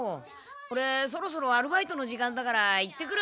オレそろそろアルバイトの時間だから行ってくる。